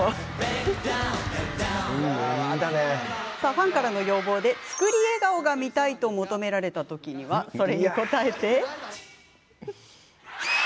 ファンからの要望で作り笑顔が見たい！と求められた時は、それに応えて。